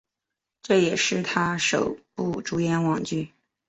这也是他的首部主演网剧。